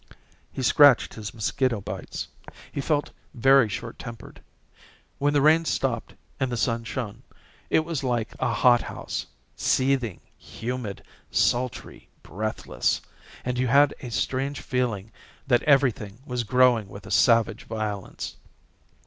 He scratched his mosquito bites. He felt very short tempered. When the rain stopped and the sun shone, it was like a hothouse, seething, humid, sultry, breathless, and you had a strange feeling that everything was growing with a savage violence.